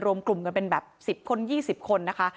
รวมกลุ่มกันเป็นแบบ๑๐คน๒๐คนนะคะ